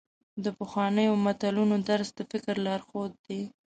د پخوانیو متلونو درس د فکر لارښود دی.